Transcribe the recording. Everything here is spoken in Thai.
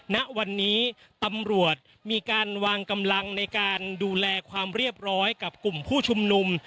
ณวันนี้ตำรวจมีการวางกำลังในการดูแลความเรียบร้อยกับกลุ่มผู้ชุมนุม